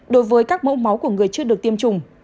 đối với các mẫu máu của người chưa được tiêm chủng